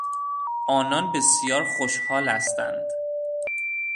آنان بسیار خوشحال هستند.